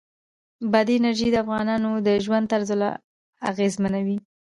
بادي انرژي د افغانانو د ژوند طرز اغېزمنوي.